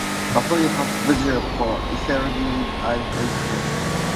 だそい ｈｓｄｇ ほ；いせるぎ ｌｈｓｇ